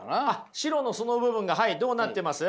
白のその部分がどうなってます？